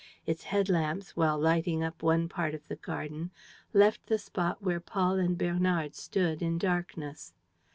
Its head lamps, while lighting up one part of the garden, left the spot where Paul and Bernard stood in darkness.